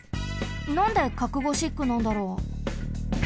なんで角ゴシックなんだろう？